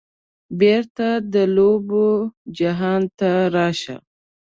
بیرته د لوبو جهان ته راشه